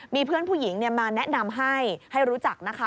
มีเพื่อนผู้หญิงมาแนะนำให้ให้รู้จักนะคะ